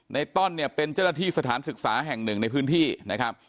ต้อนเนี่ยเป็นเจ้าหน้าที่สถานศึกษาแห่งหนึ่งในพื้นที่นะครับ